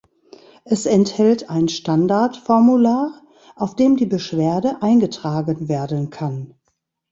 Es enthält ein Standardformular, auf dem die Beschwerde eingetragen werden kann.